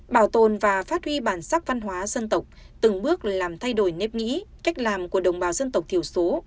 bảo tồn và phát huy bản sắc văn hóa dân tộc từng bước làm thay đổi nếp nghĩ cách làm của đồng bào dân tộc thiểu số